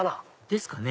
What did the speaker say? ですかね